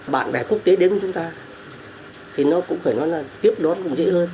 bạn bè quốc tế đến với chúng ta thì nó cũng phải nói là tiếp đón cũng dễ hơn